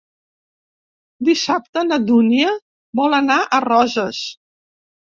Dissabte na Dúnia vol anar a Roses.